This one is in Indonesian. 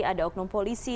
ada oknum polisi